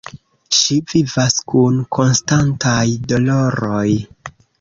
Ŝi vivas kun konstantaj doloroj.